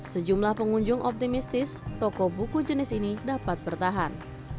sejumlah pengunjung optimistis toko buku jenis ini dapat bertahan